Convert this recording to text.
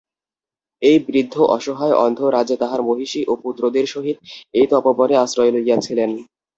এই বৃদ্ধ অসহায় অন্ধ রাজা তাঁহার মহিষী ও পুত্রদের সহিত এই তপোবনে আশ্রয় লইয়াছিলেন।